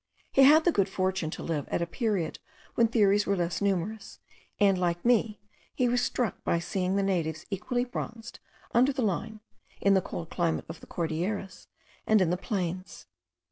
He had the good fortune to live at a period when theories were less numerous; and, like me, he was struck by seeing the natives equally bronzed under the Line, in the cold climate of the Cordilleras, and in the plains.